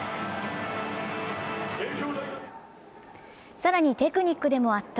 更にテクニックでも圧倒。